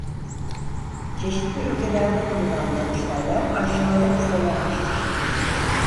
Çeşitli ülkelerde bulunan Danıştaylar aşağıda listelenmiştir.